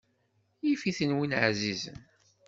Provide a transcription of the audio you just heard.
Yif-iten mmi ɛzizen.